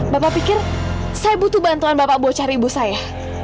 bapak pikir saya butuh bantuan bapak bocah ibu saya